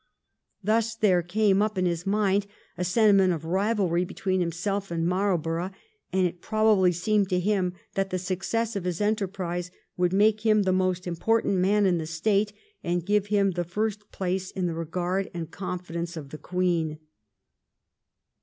Thus there came up in his mind a sentiment of rivalry between himself and Marlborough, and it probably seemed to him that the success of his enterprise would make him the most important man in the State, and give him the first place in the regard and confidence of the Queen.